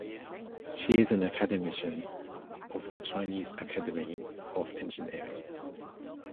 She is an academician of the Chinese Academy of Engineering.